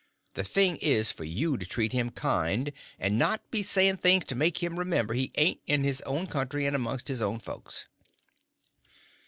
The thing is for you to treat him kind, and not be saying things to make him remember he ain't in his own country and amongst his own folks."